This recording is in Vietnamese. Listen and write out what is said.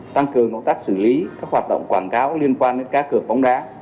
tăng cường công tác xử lý các hoạt động quảng cáo liên quan đến cắt cược bóng đá